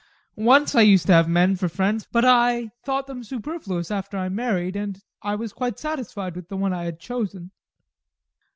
Once I used to have men for friends, but I thought them superfluous after I married, and I felt quite satisfied with the one I had chosen.